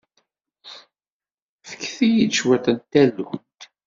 Fket-iyi cwiṭ n tallunt.